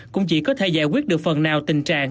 cũng chỉ có thể giải quyết được phần nào tình trạng